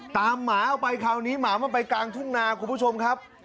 หมาออกไปคราวนี้หมามันไปกลางทุ่งนาคุณผู้ชมครับ